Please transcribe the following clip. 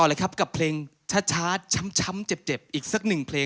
เจ้าของบ้านชายใกล้คลายจะยังไม่ฝืน